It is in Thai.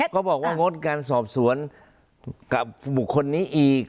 เขาบอกว่างดการสอบสวนกับบุคคลนี้อีก